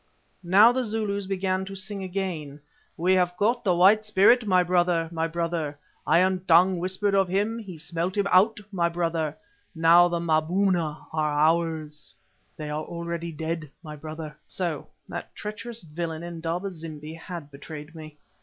Now the Zulus began to sing again— "We have caught the White Spirit, my brother! my brother! Iron Tongue whispered of him, he smelt him out, my brother. Now the Maboona are ours—they are already dead, my brother." So that treacherous villain Indaba zimbi had betrayed me.